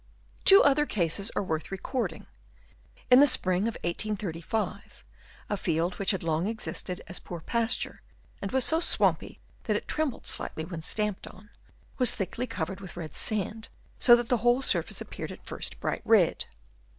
Two other cases are worth recording. In the spring of 1835, a field, which had Chap. III. BROUGHT UP BY WORMS. 137 long existed as poor pasture and was so swampy that it trembled slightly when stamped on, was thickly covered with red sand so that the whole surface appeared at first bright red.